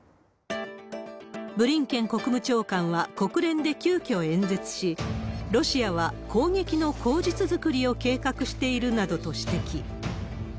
ブリンケン国務長官は国連で急きょ演説し、ロシアは攻撃の口実作りを計画しているなどと指摘。